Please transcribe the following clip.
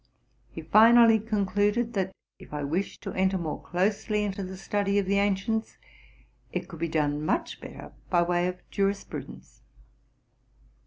He finally concluded, that, if I wished to enter more closely into the study of the ancients, it could be done much better by the way of jurisprudence.